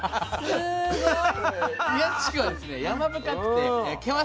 すごい！